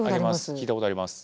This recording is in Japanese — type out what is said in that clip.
聞いたことあります。